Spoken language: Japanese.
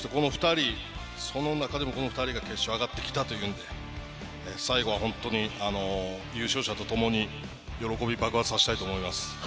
その中でもこの２人が決勝に上がってきたというので最後は本当に優勝者と共に喜びを爆発させたいと思います。